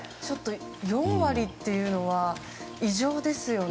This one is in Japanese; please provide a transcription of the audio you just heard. ４割というのは異常ですよね。